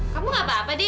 kamu apa apa din